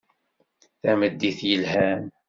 Tameddit yelhan.